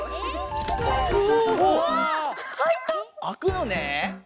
あくのね。